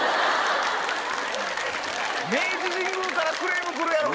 明治神宮からクレーム来るやろな。